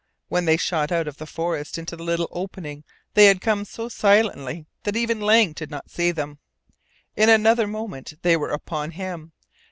When they shot out of the forest into the little opening they had come so silently that even Lang did not see them. In another moment they were upon him.